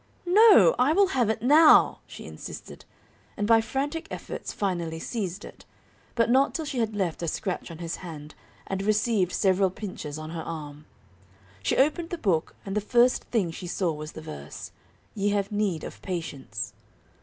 "No, I will have it now," she insisted; and by frantic efforts finally seized it, but not till she had left a scratch on his hand, and received several pinches on her arm. She opened the book, and the first thing she saw was the verse, "Ye have need of patience."